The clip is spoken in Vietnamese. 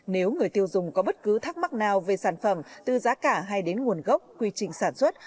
nếu người tiêu dùng có bất cứ thắc mắc nào về sản phẩm từ giá cả hay đến nguồn gốc quy trình sản xuất